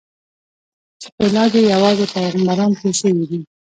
چې په علاج یې یوازې پیغمبران پوه شوي دي.